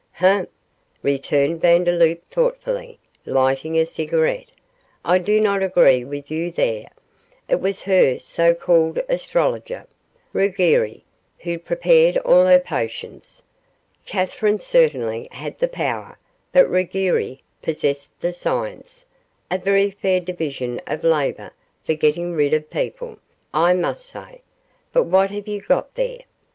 'Humph,' returned Vandeloup, thoughtfully, lighting a cigarette, 'I do not agree with you there; it was her so called astrologer, Ruggieri, who prepared all her potions. Catherine certainly had the power, but Ruggieri possessed the science a very fair division of labour for getting rid of people, I must say but what have you got there?